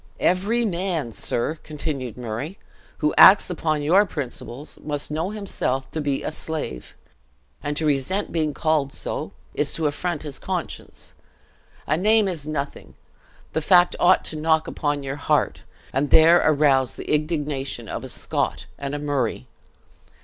"Every man, sir," continued Murray, "who acts upon your principles, must know himself to be a slave; and to resent being called so, is to affront his conscience. A name is nothing, the fact ought to knock upon your heart, and there arouse the indignation of a Scot and a Murray.